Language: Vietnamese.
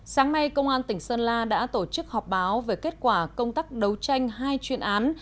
sáng nay công an tỉnh sơn la đã tổ chức họp báo về kết quả công tác đấu tranh hai chuyên án